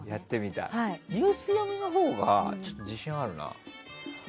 ニュース読みのほうが自信あるな。